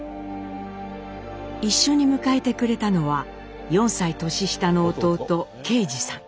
一緒に迎えてくれたのは４歳年下の弟啓二さん。